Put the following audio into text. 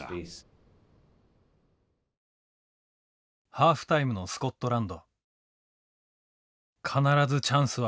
ハーフタイムのスコットランド。